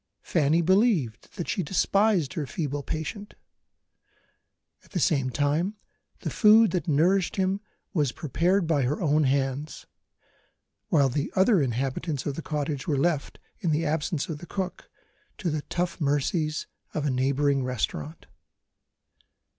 Fanny believed that she despised her feeble patient. At the same time, the food that nourished him was prepared by her own hands while the other inhabitants of the cottage were left (in the absence of the cook) to the tough mercies of a neighbouring restaurant.